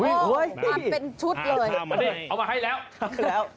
โอ้โฮอันเป็นชุดเลยน้ำเอาข้าวมาให้เอามาให้แล้ว